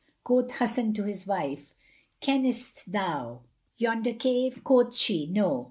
Quoth Hasan to his wife, "Kennest thou yonder cave?"; and quoth she, "No."